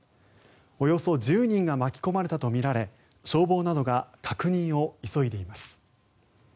およそ１０人が巻き込まれたとみられ消防などが確認を急いでいます。